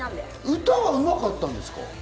歌は、うまかったんですか？